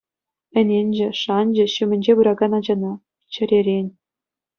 Ӗненчӗ, шанчӗ ҫумӗнче пыракан ачана, чӗререн.